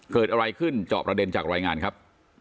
เกิดอะไรขึ้นจอบระเด็นจากรายงานครับ